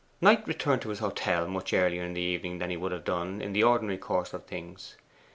Knight returned to his hotel much earlier in the evening than he would have done in the ordinary course of things.